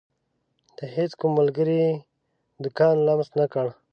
د هيڅ کوم ملګري دکان لمس نه کړ.